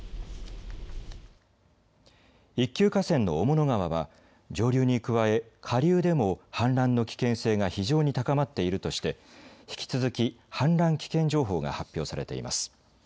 一級河川の雄物川は上流に加え下流でも氾濫の危険性が非常に高まっているとして引き続き氾濫危険情報が発表されています。